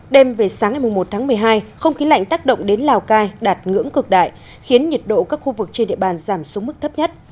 đêm về sáng ngày một tháng một mươi hai không khí lạnh tác động đến lào cai đạt ngưỡng cực đại khiến nhiệt độ các khu vực trên địa bàn giảm xuống mức thấp nhất